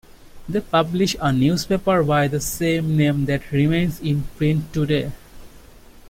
They publish a newspaper by the same name that remains in print today.